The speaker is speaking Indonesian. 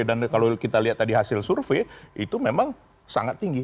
kalau kita lihat tadi hasil survei itu memang sangat tinggi